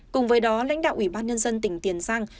cùng với đó lãnh đạo ủy ban nhân dân tỉnh tiền giang